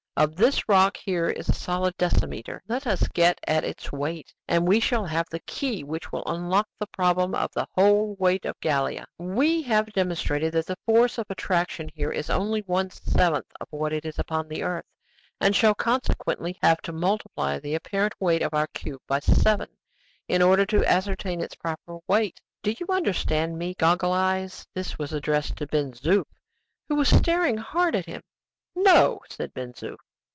Of this rock here is a solid decimeter; let us get at its weight, and we shall have the key which will unlock the problem of the whole weight of Gallia. We have demonstrated that the force of attraction here is only one seventh of what it is upon the earth, and shall consequently have to multiply the apparent weight of our cube by seven, in order to ascertain its proper weight. Do you understand me, goggle eyes?" This was addressed to Ben Zoof, who was staring hard at him. "No!" said Ben Zoof.